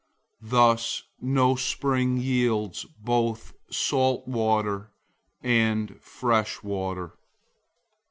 Thus no spring yields both salt water and fresh water.